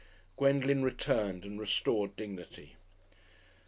Gwendolen returned and restored dignity.